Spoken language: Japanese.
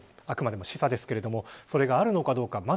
あくまでも示唆ですけれどそれがあるのかどうか。